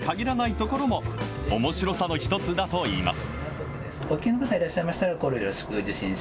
ところも、おもしろさの一つだといいます。